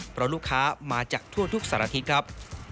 เพราะลูกค้ามาจากทั่วทุกสารทิตย์ครับ